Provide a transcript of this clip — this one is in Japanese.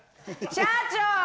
社長！